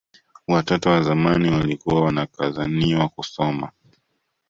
Watoto wa zamani walikuwa wanakazaniwa kusona